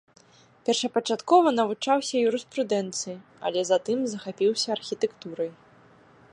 Першапачаткова навучаўся юрыспрудэнцыі, але затым захапіўся архітэктурай.